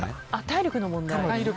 体力の問題も。